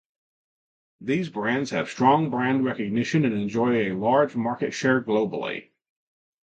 These brands have strong brand recognition and enjoy a large market share globally.